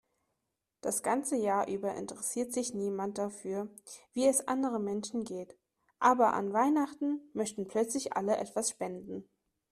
Das ganze Jahr über interessiert sich niemand dafür, wie es anderen Menschen geht, aber an Weihnachten möchten plötzlich alle etwas spenden.